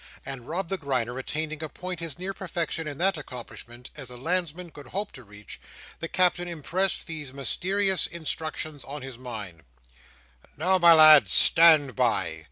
and Rob the Grinder attaining a point as near perfection in that accomplishment as a landsman could hope to reach, the Captain impressed these mysterious instructions on his mind: "Now, my lad, stand by!